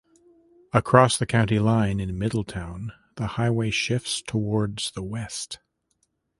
Across the county line in Middletown, the highway shifts towards the west.